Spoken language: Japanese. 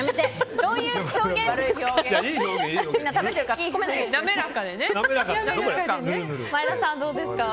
どういう表現ですか。